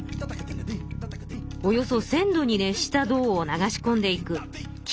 およそ１，０００度に熱した銅を流し込んでいくき